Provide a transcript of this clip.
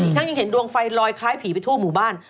ยังเห็นดวงไฟลอยคล้ายผีไปทั่วหมู่บ้าน